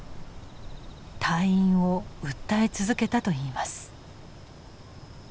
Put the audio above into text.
退院を訴え続けたといいます。